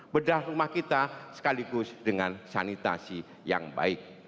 bedah rumah kita sekaligus dengan sanitasi yang baik